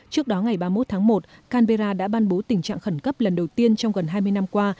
trước đó ngày ba mươi một tháng một canberra đã ban bố tình trạng khẩn cấp lần đầu tiên trong gần hai mươi năm qua